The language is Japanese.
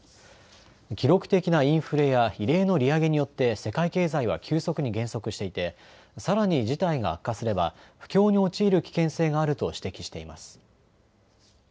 記録的なインフレや異例の利上げによって世界経済は急速に減速していてさらに事態が悪化すれば不況に陥る危険性があると指摘しています。